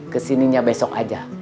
kesininya besok aja